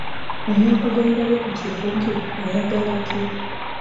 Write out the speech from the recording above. Omuntu gwe ndabye ku kifugi ayagala ki?